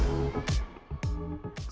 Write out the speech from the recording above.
memiliki kekuatan yang sangat tinggi